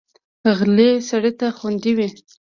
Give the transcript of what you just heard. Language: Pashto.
غلی سړی تل خوندي وي.